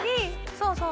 そうそう。